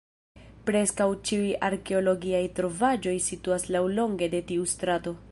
Preskaŭ ĉiuj arkeologiaj trovaĵoj situas laŭlonge de tiu strato.